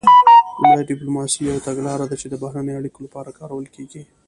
لومړی ډیپلوماسي یوه تګلاره ده چې د بهرنیو اړیکو لپاره کارول کیږي